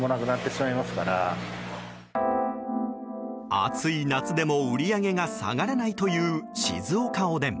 暑い夏でも売り上げが下がらないという静岡おでん。